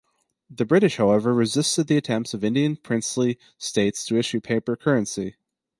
The British, however resisted the attempts of Indian princely states to issue paper currency.